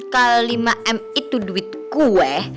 kalau lima m itu duit gue